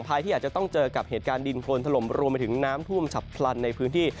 ที่อาจจะต้องเจอกับเหตุการณ์ดินโครนถล่มรวมไปถึงน้ำท่วมฉับพลันในพื้นที่